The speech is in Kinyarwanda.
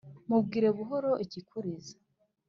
Mubwire buhoro ikikuriza